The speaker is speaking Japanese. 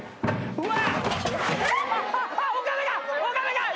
うわ！